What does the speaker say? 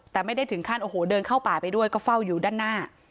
แต่ไม่ได้ถึงขั้นโอ้โหเดินเข้าป่าไปด้วยก็เฝ้าอยู่ด้านหน้า